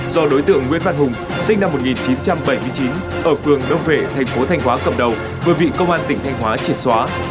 do đối tượng nguyễn văn hùng sinh năm một nghìn chín trăm bảy mươi chín ở phường đông vệ thành phố thanh hóa cầm đầu vừa bị công an tỉnh thanh hóa triệt xóa